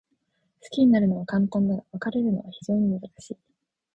好きになるのは簡単だが、別れるのは非常に難しい。